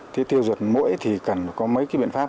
thế tiêu diệt mũi thì cần có mấy cái biện pháp